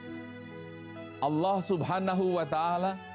dan dia allah subhanahu wa ta'ala